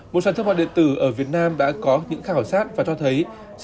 một sản thương mại điện tử ở việt nam đã có những khảo sát và cho thấy